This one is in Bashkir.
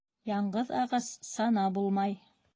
Яңғыҙ ағас сана булмай